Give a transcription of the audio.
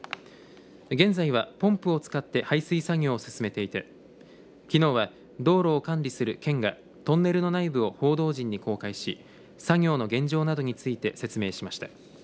現在はポンプを使って排水作業を進めていてきのうは道路を管理する県がトンネルの内部を報道陣に公開し作業の現状などについて説明しました。